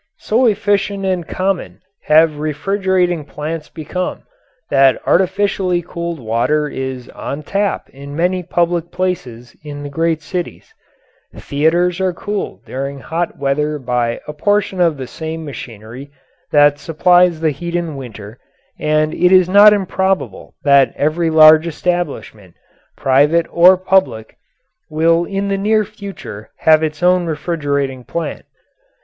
So efficient and common have refrigerating plants become that artificially cooled water is on tap in many public places in the great cities. Theatres are cooled during hot weather by a portion of the same machinery that supplies the heat in winter, and it is not improbable that every large establishment, private, or public, will in the near future have its own refrigerating plant.